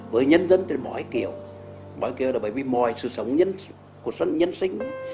với nhân dân thì mỗi kiều mỗi kiều là bởi vì mọi sự sống của nhân sinh